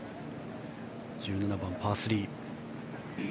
１７番、パー３。